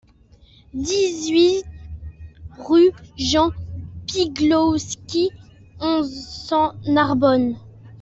dix-huit rue Jean Piglowski, onze, cent, Narbonne